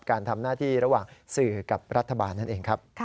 การทำหน้าที่ระหว่างสื่อกับรัฐบาลนั่นเองครับ